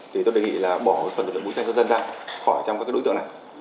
thì tôi đề nghị là bỏ phần lực lượng vũ trang cơ dân ra khỏi trong các đối tượng này